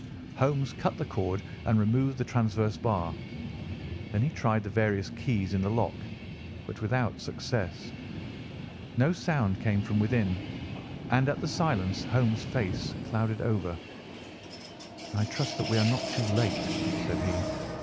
Holmes cut the cord and removed the transverse bar. Then he tried the various keys in the lock, but without success. No sound came from within, and at the silence Holmes' face clouded over. "I trust that we are not too late," said he.